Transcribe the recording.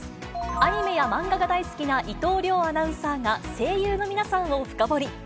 アニメや漫画が大好きな伊藤遼アナウンサーが、声優の皆さんを深掘り。